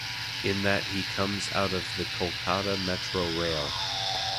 In that he comes out of the Kolkata metro rail.